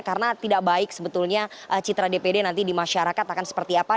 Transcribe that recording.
karena tidak baik sebetulnya citra dpd nanti di masyarakat akan seperti apa